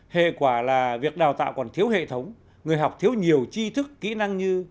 hệ quả là việc đào tạo còn thiếu hệ thống người học thiếu nhiều chi thức kỹ năng như